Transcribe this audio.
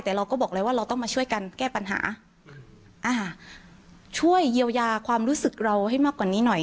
แต่เราก็บอกแล้วว่าเราต้องมาช่วยกันแก้ปัญหาอ่าช่วยเยียวยาความรู้สึกเราให้มากกว่านี้หน่อย